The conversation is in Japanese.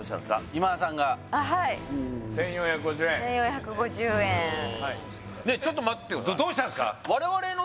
今田さんがあはい１４５０円１４５０円ねえちょっと待ってよどうしたんですか？